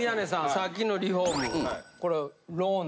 さっきのリフォームこれ。